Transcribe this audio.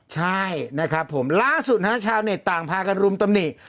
ใช่นะครับผมล่าสุดชาวเน็ตต่างพากันรุมตำหนิ